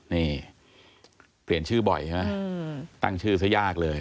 นี่เปลี่ยนชื่อบ่อยใช่ไหมตั้งชื่อซะยากเลย